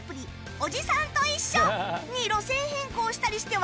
『おじさんといっしょ！！』に路線変更したりして話題に